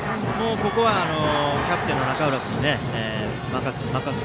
ここはキャプテンの中浦君に任す。